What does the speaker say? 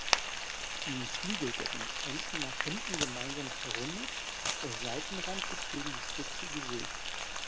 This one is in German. Die Flügeldecken enden nach hinten gemeinsam verrundet, der Seitenrand ist gegen die Spitze gesägt.